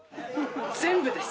全部です